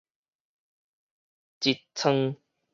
嗤噌